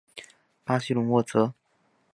巴西隆沃泽。